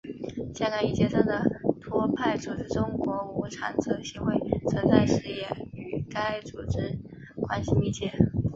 香港已解散的托派组织中国无产者协会存在时也与该组织关系密切。